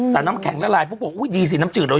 แต่น้ำแข็งละลายพวกบอกดีสิน้ำจืด